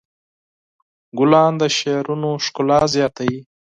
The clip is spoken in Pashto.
ګلان د شعرونو ښکلا زیاتوي.